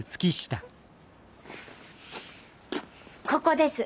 ここです。